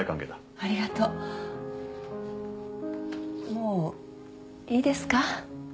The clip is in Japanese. もういいですか？